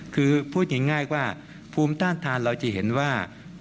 คือพูดง่ายว่าภูมิต้านทานเราจะเห็นว่า